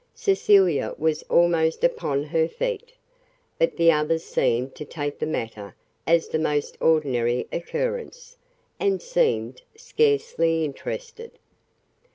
Cecilia was almost upon her feet. But the others seemed to take the matter as the most ordinary occurrence, and seemed scarcely interested.